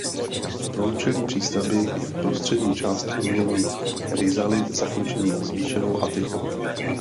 V průčelí přístavby je v prostřední části mírný rizalit zakončený zvýšenou atikou.